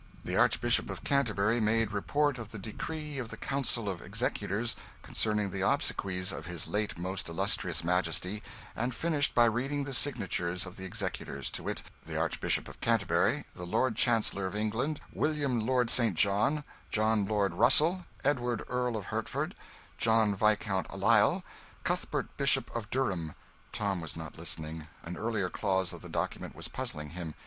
The Archbishop of Canterbury made report of the decree of the Council of Executors concerning the obsequies of his late most illustrious Majesty, and finished by reading the signatures of the Executors, to wit: the Archbishop of Canterbury; the Lord Chancellor of England; William Lord St. John; John Lord Russell; Edward Earl of Hertford; John Viscount Lisle; Cuthbert Bishop of Durham Tom was not listening an earlier clause of the document was puzzling him.